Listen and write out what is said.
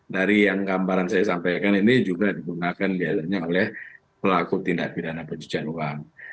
dari yang gambaran saya sampaikan ini juga digunakan biasanya oleh pelaku tindak pidana pencucian uang